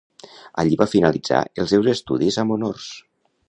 Allí va finalitzar els seus estudis amb honors.